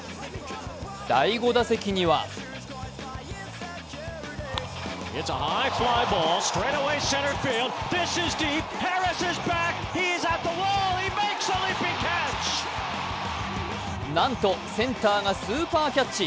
第５打席にはなんと、センターがスーパーキャッチ！